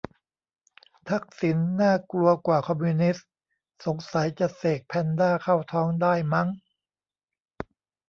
'ทักษิณ น่ากลัวกว่า คอมมิวนิสต์' สงสัยจะเสกแพนด้าเข้าท้องได้มั้ง